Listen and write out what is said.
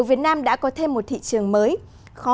vì vậy bạn cần phân tích